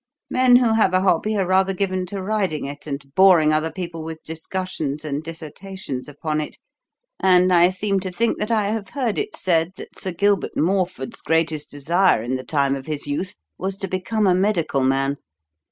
Men who have a hobby are rather given to riding it and boring other people with discussions and dissertations upon it; and I seem to think that I have heard it said that Sir Gilbert Morford's greatest desire in the time of his youth was to become a medical man.